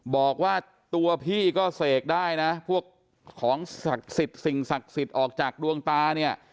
บอกว่าตัวพี่ก็เสกได้พวกสิ่งศักดิ์ศิษย์ออกจากดวงตา